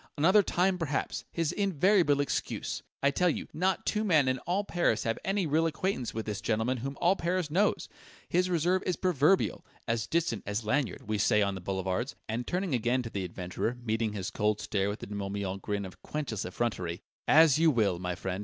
"'Another time, perhaps' his invariable excuse! I tell you, not two men in all Paris have any real acquaintance with this gentleman whom all Paris knows! His reserve is proverbial 'as distant as Lanyard,' we say on the boulevards!" And turning again to the adventurer, meeting his cold stare with the De Morbihan grin of quenchless effrontery "As you will, my friend!"